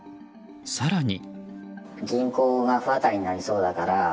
更に。